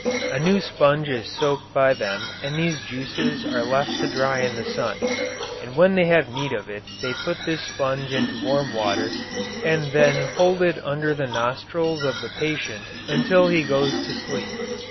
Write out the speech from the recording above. A new sponge is soaked by them in these juices and left to dry in the sun; and when they have need of it they put this sponge into warm water and then hold it under the nostrils of the patient until he goes to sleep.